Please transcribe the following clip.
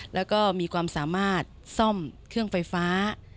แล้วก็มีความสามารถซ่อมเครื่องไฟฟ้า